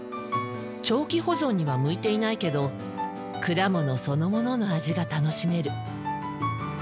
長期保存には向いていないけど果物そのものの味が楽しめる。